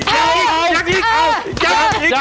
อยากอีกอยากไม่หยุดอีก